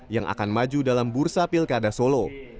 yang akan maju dalam bursa pilkada solo